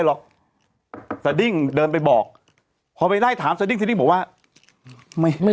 หรอกสดิ้งเดินไปบอกพอไปไล่ถามสดิ้งสดิ้งบอกว่าไม่ไม่